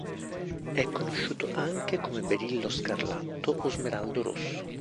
È conosciuto anche come "berillo scarlatto" o "smeraldo rosso".